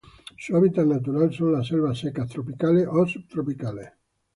Su hábitat natural son las selvas secas tropicales o subtropicales.